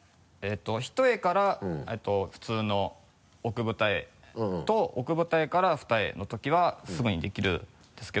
一重から普通の奥二重と奥二重から二重のときはすぐにできるんですけど。